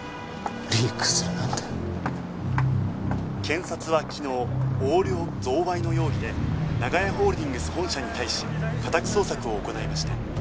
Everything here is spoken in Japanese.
「検察は昨日横領贈賄の容疑で長屋ホールディングス本社に対し家宅捜索を行いました」